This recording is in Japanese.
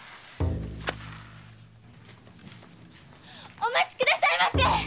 お待ち下さいませ！